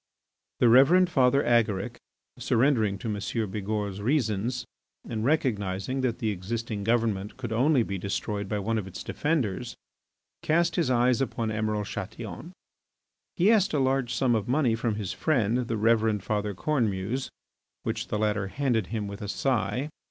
The Reverend Father Agaric, surrendering to M. Bigourd's reasons and recognising that the existing government could only be destroyed by one of its defenders, cast his eyes upon Emiral Chatillon. He asked a large sum of money from his friend, the Reverend Father Cornemuse, which the latter handed him with a sigh.